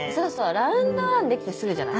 ラウンドワン出来てすぐじゃない？